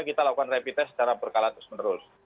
kita lakukan rapid test secara berkala terus menerus